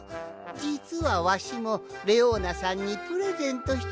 じつはわしもレオーナさんにプレゼントしてもらったんじゃ！